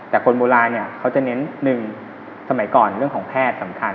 แต่คนโบราณเนี่ยเขาจะเน้น๑สมัยก่อนเรื่องของแพทย์สำคัญ